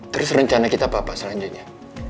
terus rencana kita apa apa selanjutnya